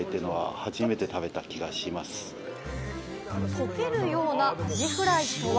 溶けるようなアジフライとは？